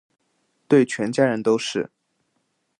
对全家人都是